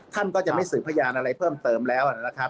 ท่านก็จะไม่สืบพยานอะไรเพิ่มเติมแล้วนะครับ